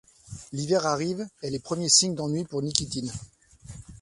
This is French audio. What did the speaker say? L’hiver arrive, et les premiers signes d’ennui pour Nikitine.